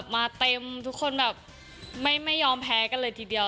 มาเต็มทุกคนแบบไม่ยอมแพ้กันเลยทีเดียว